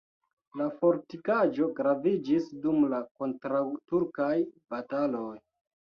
La fortikaĵo graviĝis dum la kontraŭturkaj bataloj.